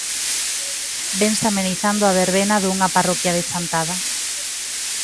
Vense amenizando a verbena dunha parroquia de Chantada?